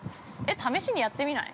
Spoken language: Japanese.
◆試しにやってみない？